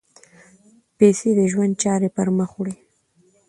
پیسې د ژوند چارې پر مخ وړي.